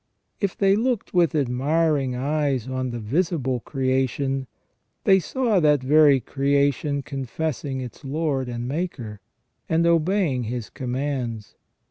If they looked with admiring eyes on the visible creation, they saw that very creation confessing its Lord and Maker, and obeying His commands.